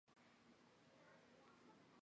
这较之耍阴谋诡计更有利于问题的解决。